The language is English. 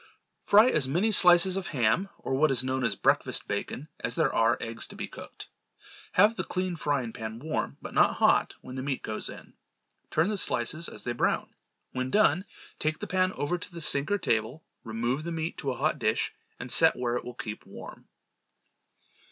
Fry as many slices of ham, or what is known as breakfast bacon, as there are eggs to be cooked. Have the clean frying pan warm, but not hot, when the meat goes in. Turn the slices as they brown. When done, take the pan over to the sink or table, remove the meat to a hot dish and set where it will keep warm.